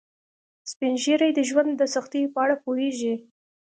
سپین ږیری د ژوند د سختیو په اړه پوهیږي